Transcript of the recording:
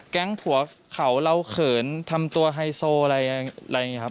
ผัวเขาเราเขินทำตัวไฮโซอะไรอย่างนี้ครับ